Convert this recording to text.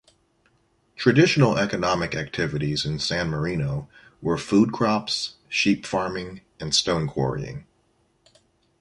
Traditional economic activities in San Marino were food crops, sheep farming, and stone quarrying.